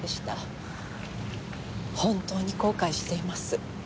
本当に後悔しています。